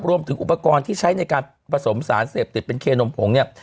รวมถึงอุปกรณ์ที่ใช้ในการผสมสารเสพติดเป็นเคนมผงเนี่ย